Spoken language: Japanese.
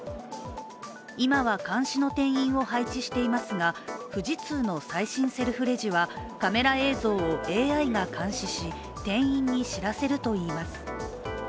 今は監視の店員を配置していますが、富士通の最新セルフレジはカメラ映像をＡＩが監視し店員に知らせるといいます。